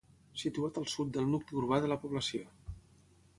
Situat al sud del nucli urbà de la població.